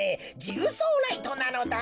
ジグソーライトなのだ。